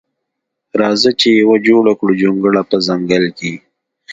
راځه چې یوه جوړه کړو جونګړه په ځنګل کښې